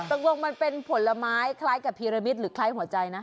ตกลงมันเป็นผลไม้คล้ายกับพีรมิตหรือคล้ายหัวใจนะ